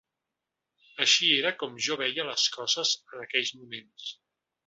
Així era com jo veia les coses en aquells moments